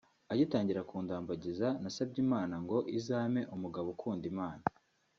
“Agitangira kundambagiza nasabye Imana ngo izampe umugabo ukunda Imana